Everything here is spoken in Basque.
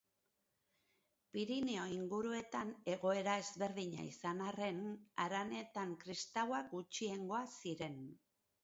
Pirinio inguruetan egoera ezberdina izan arren, haranetan kristauak gutxiengoa ziren.